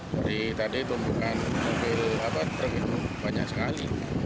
jadi tadi tumpukan mobil truk itu banyak sekali